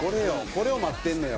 これを待ってんのよ